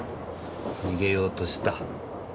逃げようとした。